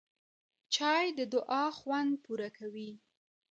چای د دعا خوند پوره کوي